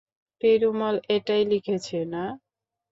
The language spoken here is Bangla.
পেরুমল, এটাই লিখেছ না?